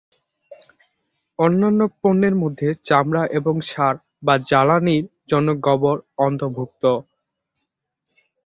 অন্যান্য পণ্যের মধ্যে চামড়া এবং সার বা জ্বালানীর জন্য গোবর অন্তর্ভুক্ত।